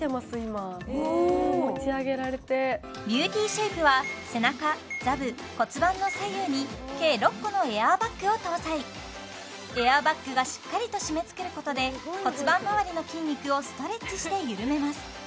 今持ち上げられてビューティーシェイプは背中座部骨盤の左右に計６個のエアーバッグを搭載エアーバッグがしっかりと締めつけることで骨盤周りの筋肉をストレッチして緩めます